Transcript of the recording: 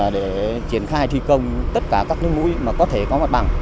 để triển khai thi công tất cả các mũi có thể có mặt bằng